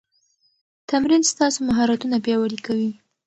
تمرین ستاسو مهارتونه پیاوړي کوي.